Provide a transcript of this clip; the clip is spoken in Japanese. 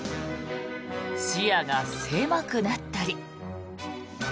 視野が狭くなったり。